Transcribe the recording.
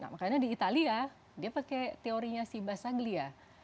makanya di italia dia pakai teorinya si basaglia